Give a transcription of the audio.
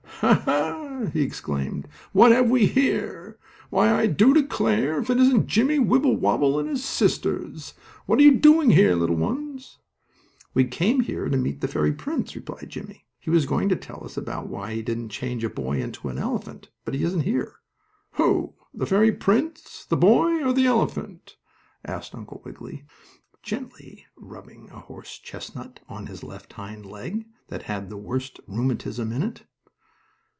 "Ha! Ha!" he exclaimed. "What have we here? Why, I do declare! If it isn't Jimmie Wibblewobble and his sisters! What are you doing here, little ones?" "We came here to meet the fairy prince," replied Jimmie. "He was going to tell us about why he didn't change a boy into an elephant. But he isn't here." "Who the fairy prince, the boy or the elephant?" asked Uncle Wiggily, gently rubbing a horse chestnut on his left hind leg, that had the worst rheumatism in it.